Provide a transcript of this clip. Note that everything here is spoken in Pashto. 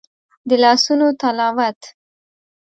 د لاسونو تلاوت